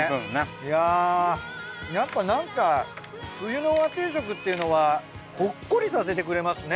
いやぁやっぱなんか冬の和定食っていうのはほっこりさせてくれますね。